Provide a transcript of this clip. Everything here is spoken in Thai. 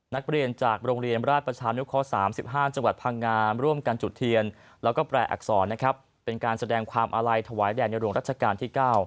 นักเรียนจากโรงเรียนราชประชานุเคราะห์๓๕จังหวัดพังงามร่วมกันจุดเทียนแล้วก็แปลอักษรนะครับเป็นการแสดงความอาลัยถวายแด่ในหลวงรัชกาลที่๙